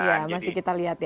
iya masih kita lihat ya